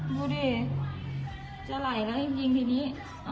ดูดิจะไหลแล้วจริงทีนี้